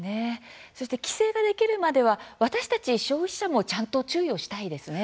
そして規制ができるまでは私たち消費者もちゃんと注意をしたいですね。